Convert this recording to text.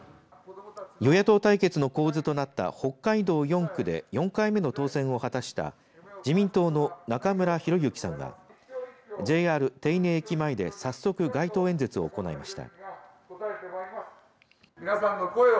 与野党対決の構図となった北海道４区で４回目の当選を果たした自民党の中村裕之さんはＪＲ手稲駅前で早速、街頭演説を行いました。